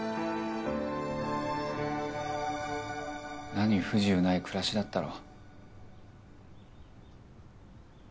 何不自由ない暮らしだったろ。